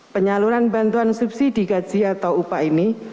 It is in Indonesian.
penyaluran bantuan subsidi gaji atau upah ini